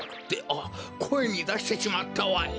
あっこえにだしてしまったわい！